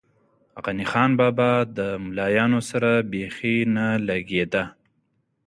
غني خان بابا ده ملایانو سره بېخی نه لږې ده.